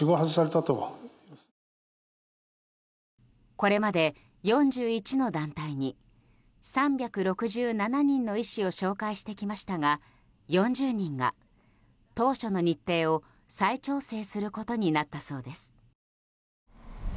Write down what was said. これまで４１の団体に３６７人の医師を紹介してきましたが４０人が当初の日程を再調整することになったそうです。